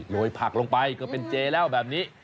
ผักลงไปก็เป็นเจแล้วแบบนี้